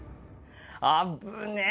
あぶねー。